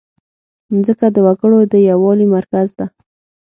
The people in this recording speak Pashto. مځکه د وګړو د یووالي مرکز ده.